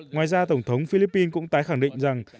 ngoài ra tổng thống philippines cũng tái khẳng định rằng